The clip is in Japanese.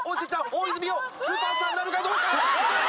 大泉洋スーパースターになるかどうかどうだ！？